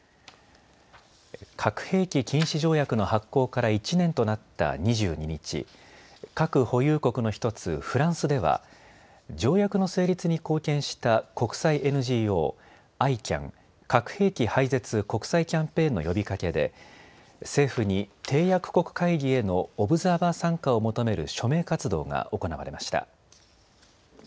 核兵器禁止条約の発効から１年となった２２日、核保有国の１つ、フランスでは条約の成立に貢献した国際ＮＧＯ、ＩＣＡＮ・核兵器廃絶国際キャンペーンの呼びかけで政府に締約国会議へのオブザーバー参加を求める署名活動が行われました。